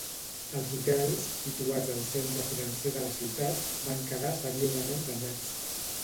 Els hotels, situats al centre financer de la ciutat, van quedar seriosament danyats.